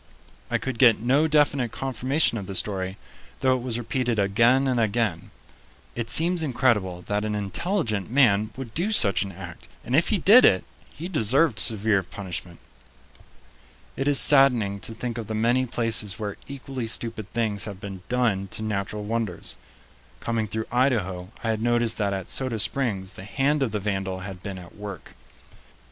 I could get no definite confirmation of the story, though it was repeated again and again. It seems incredible that an intelligent man would do such an act, and if he did it, he deserved severe punishment. It is saddening to think of the many places where equally stupid things have been done to natural wonders. Coming through Idaho, I had noticed that at Soda Springs the hand of the vandal had been at work.